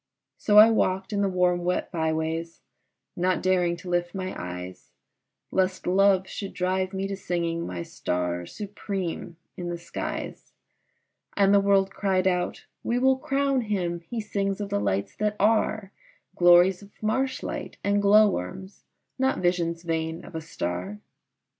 So I walked in the warm wet by ways, not daring to lift my eyes Lest love should drive me to singing my star supreme in the skies, And the world cried out, "We will crown him, he sings of the lights that are, Glories of marshlight and glow worms, not visions vain of a star!"